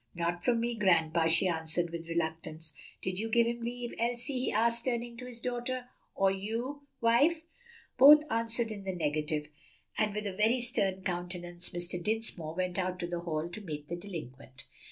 "Not from me, grandpa," she answered with reluctance. "Did you give him leave, Elsie?" he asked, turning to his daughter. "Or you, wife?" Both answered in the negative, and with a very stern countenance Mr. Dinsmore went out to the hall to meet the delinquent.